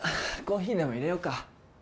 コーヒーでもいれようか？